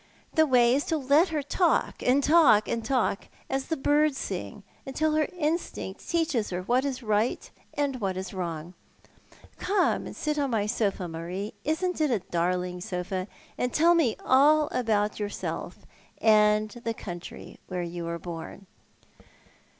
The way is to let her talk and talk and talk, as the birds sing, until her instinct teaches her what is right and what is wrong. Come and sit on my sofa, Marie — isn't it a darling sofa ?— and tell me all about yourself, and the country where you were born."